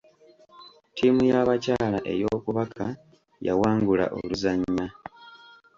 Ttiimu y'abakyala ey'okubaka yawangula oluzannya.